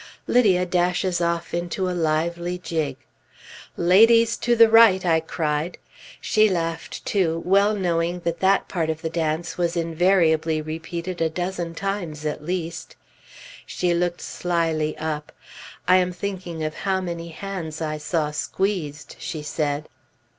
Lydia dashes off into a lively jig. "Ladies to the right!" I cried. She laughed too, well knowing that that part of the dance was invariably repeated a dozen times at least. She looked slyly up: "I am thinking of how many hands I saw squeezed," she said.